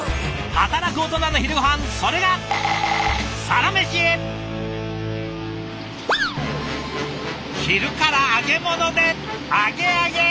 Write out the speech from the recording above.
働くオトナの昼ごはんそれが昼から揚げ物であげあげ！